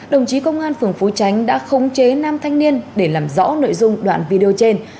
đồng chí công an phường phú tránh đã khống chế nam thanh niên để làm rõ nội dung đoạn video trên